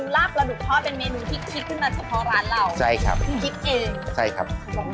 แบบให้มันมีแบบ